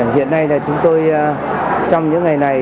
hiện nay là chúng tôi trong những ngày này